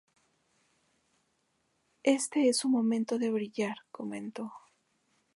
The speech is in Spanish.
Este es su momento de brillar, comentó.